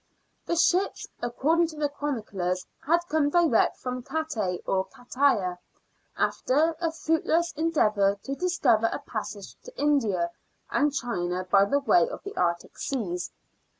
The ships, according to the chroniclers, had come direct from Cattaie or Cataya, after a fruitless endeavour to discover a passage to India and China by way of the Arctic Seas.